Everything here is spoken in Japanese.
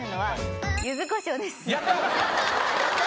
やった！